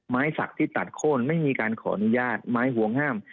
ไม้สักที่ตัดโค้นไม่มีการขออนุญาตไม้ห่วงห้าม